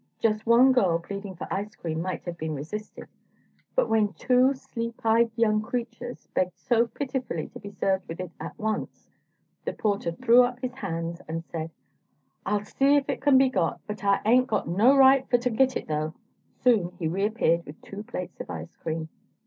Just one girl pleading for ice cream might have been resisted, but when two sleep eyed young creatures, begged so pitifully to be served with it at once, the porter threw up his hands and said: "Ah'll see if it can be got, but Ah ain't got no right fo' to git it tho!" Soon he reappeared with two plates of ice cream.